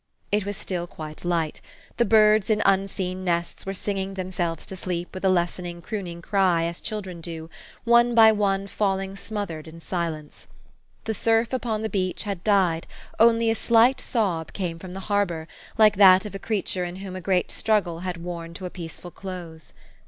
It was still quite light. The birds, in unseen nests, were singing themselves to sleep with a lessening, crooning cry, as children do, one by one falling smothered in silence. The surf upon the beach had died ; only a slight sob came from the Harbor, like that of a creature in whom a great struggle had worn to a peaceful close.